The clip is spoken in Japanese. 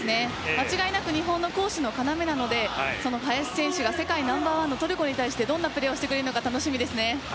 間違いなく日本の攻守の要なのでその林選手が世界ナンバーワンのトルコに対してどんなプレーをしてくれるのか楽しみですね。